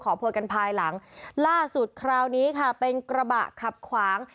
โพยกันภายหลังล่าสุดคราวนี้ค่ะเป็นกระบะขับขวาง